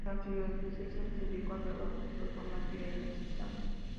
En la archidiócesis, siempre se dedicó al trabajo pastoral, con una actividad incesante.